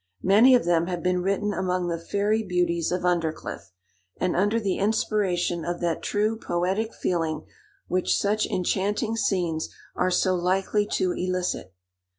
Many of them have been written among the fairy beauties of Undercliff, and under the inspiration of that true poetic feeling which such enchanting scenes are so likely to elicit.